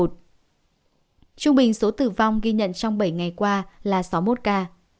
trung bình số tử vong ghi nhận trong bảy ngày qua là sáu mươi một ca